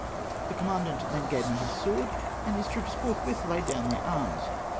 The commandant then gave me his sword, and his troops forthwith laid down their arms.